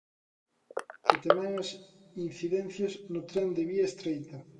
E tamén as incidencias no tren de vía estreita.